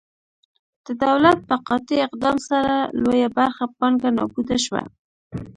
د دولت په قاطع اقدام سره لویه برخه پانګه نابوده شوه.